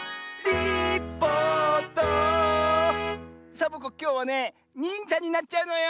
サボ子きょうはね「にんじゃ」になっちゃうのよ！